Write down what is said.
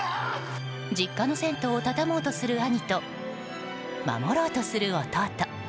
実家の銭湯を畳もうとする兄と守ろうとする弟。